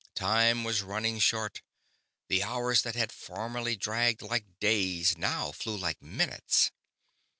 Time was running short; the hours that had formerly dragged like days now flew like minutes.